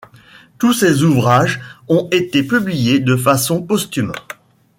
Tous ses ouvrages ont été publiés de façon posthume.